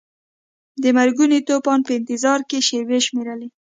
د مرګوني طوفان په انتظار کې شیبې شمیرلې.